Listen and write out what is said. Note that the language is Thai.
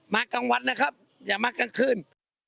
กลางวันนะครับอย่ามากลางคืน